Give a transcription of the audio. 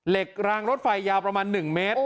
กลางรถไฟยาวประมาณ๑เมตร